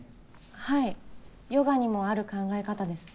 はいヨガにもある考え方です